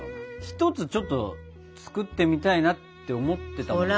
一つちょっと作ってみたいなって思ってたんですよ。